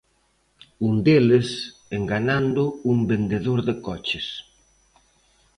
Un deles, enganando un vendedor de coches.